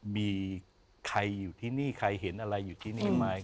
มีใครอยู่ที่นี่ใครเห็นอะไรอยู่ที่นี่ไหม